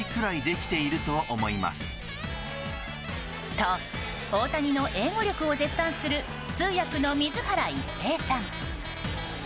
と、大谷の英語力を絶賛する通訳の水原一平さん。